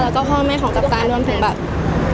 แล้วก็แม่ของจับตาเลือนผลัพธ์